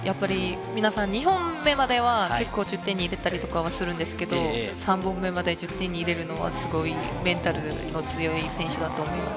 皆さん、２本目までは結構１０点に入れたりはするんですけど、３本目まで１０点に入れるのはすごいメンタルの強い選手だと思います。